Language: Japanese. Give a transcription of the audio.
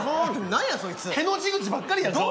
何やそいつ。への字口ばっかりやんか。